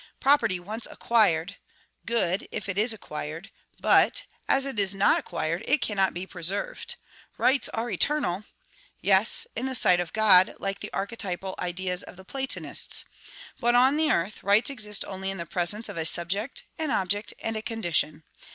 PROPERTY ONCE ACQUIRED! Good, if it is acquired; but, as it is not acquired, it cannot be preserved. RIGHTS ARE ETERNAL! Yes, in the sight of God, like the archetypal ideas of the Platonists. But, on the earth, rights exist only in the presence of a subject, an object, and a condition.